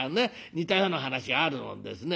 似たような話あるもんですね。